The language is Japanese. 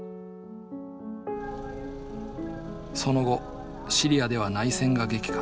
その後シリアでは内戦が激化。